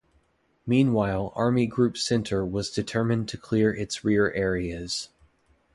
Meanwhile Army Group Center was determined to clear its rear areas.